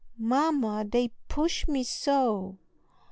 "Mamma, they push me so!"